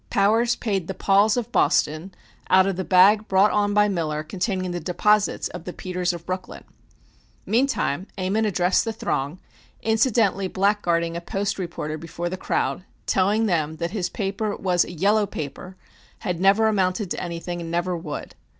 Powers paid the "Pauls," of Boston, out of the bag brought on by Miller containing the deposits of the "Peters," of Brooklyn. Meantime, Ammon addressed the throng, incidentally blackguarding a Post reporter before the crowd, telling them that his paper was a "yellow paper, had never amounted to anything, and never would."